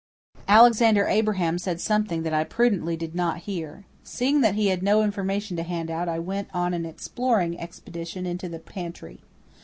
Alexander Abraham said something that I prudently did not hear. Seeing that he had no information to hand out I went on an exploring expedition into the pantry.